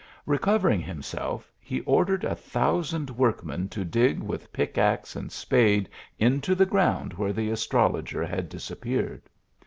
Recovering himself he ordered a thousand workmen to dig with pickaxe and spade into the ground where the astrologer had disappeared.